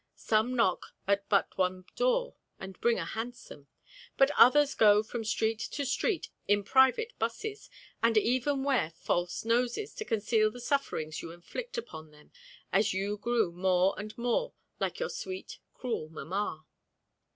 Some knock at but one door and bring a hansom, but others go from street to street in private 'buses, and even wear false noses to conceal the sufferings you inflict upon them as you grew more and more like your sweet cruel mamma.